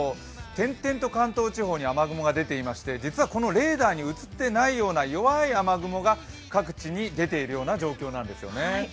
点々と関東地方に雨雲が出ていまして実はこのレーダーに写っていないような弱い雨雲が各地に出ているような状況なんですよね。